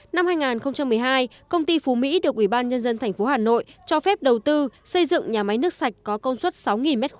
năm hai nghìn một mươi hai công ty phú mỹ được ủy ban nhân dân tp hà nội cho phép đầu tư xây dựng nhà máy nước sạch có công suất sáu m hai